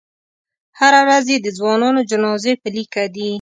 هره ورځ یې د ځوانانو جنازې په لیکه دي.